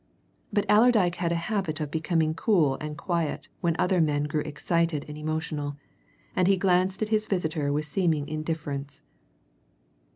But Allerdyke had a habit of becoming cool and quiet when other men grew excited and emotional, and he glanced at his visitor with seeming indifference.